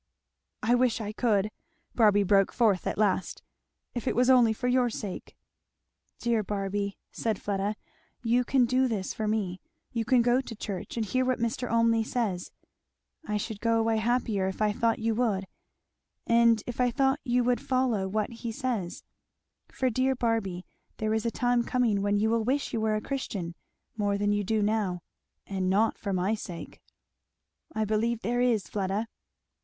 "I wish I could," Barby broke forth at last, "if it was only for your sake." "Dear Barby," said Fleda, "you can do this for me you can go to church and hear what Mr. Olmney says. I should go away happier if I thought you would, and if I thought you would follow what he says; for dear Barby there is a time coming when you will wish you were a Christian more than you do now; and not for my sake." "I believe there is, Fleda."